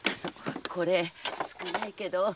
これ少ないけど。